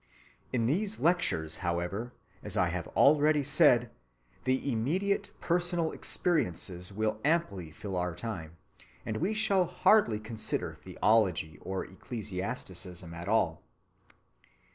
In these lectures, however, as I have already said, the immediate personal experiences will amply fill our time, and we shall hardly consider theology or ecclesiasticism at all.